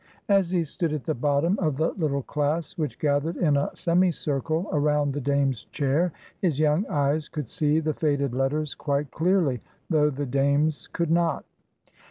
As he stood at the bottom of the little class which gathered in a semicircle around the Dame's chair, his young eyes could see the faded letters quite clearly, though the Dame's could not.